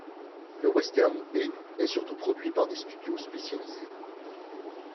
Le western B est surtout produit par des studios spécialisés.